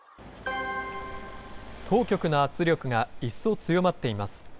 当局の圧力が一層強まっています。